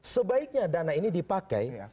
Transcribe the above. sebaiknya dana ini dipakai